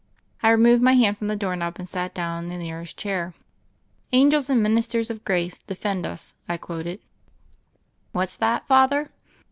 I removed my hand from the doorknob and sat down on the nearest chair. " 'Angels and ministers of grace, defend us 1' " I quoted, "What's that, Father?"